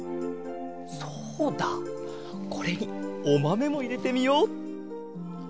そうだこれにおまめもいれてみよう。